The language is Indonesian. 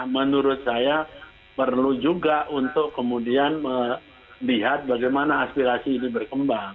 menurut saya perlu juga untuk kemudian melihat bagaimana aspirasi ini berkembang